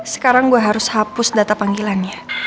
sekarang gue harus hapus data panggilannya